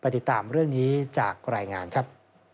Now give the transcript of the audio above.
ติดตามเรื่องนี้จากรายงานครับ